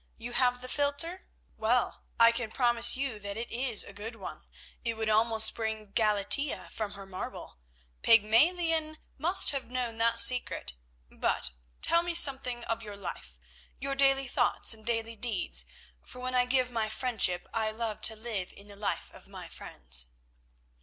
You have the philtre? Well, I can promise you that it is a good one, it would almost bring Galatea from her marble. Pygmalion must have known that secret. But tell me something of your life, your daily thoughts and daily deeds, for when I give my friendship I love to live in the life of my friends."